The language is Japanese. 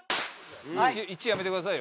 「１」やめてくださいよ。